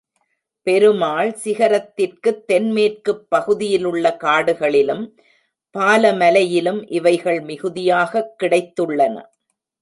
பெருமாள் சிகரத்திற்குத் தென்மேற்குப் பகுதியிலுள்ள காடுகளிலும் பாலமலையிலும் இவைகள் மிகுதியாகக் கிடைத்துள்ளன.